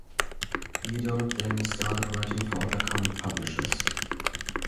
Bedard then started writing for other comic publishers.